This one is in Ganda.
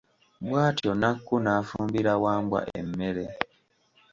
Bw'atyo Nakku n'afumbira Wambwa emmere.